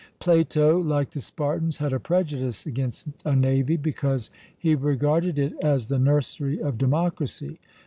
Plato, like the Spartans, had a prejudice against a navy, because he regarded it as the nursery of democracy.